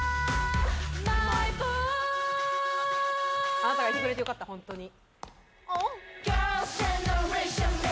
あなたがいてくれてよかったホントに。